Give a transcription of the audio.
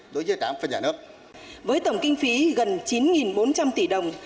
đối với tổng kinh phí gần chín bốn trăm linh tỷ đồng